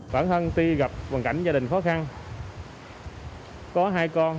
bản thân tuy gặp hoàn cảnh gia đình khó khăn có hai con